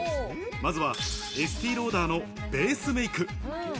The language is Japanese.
まずはエスティローダーのベースメイク。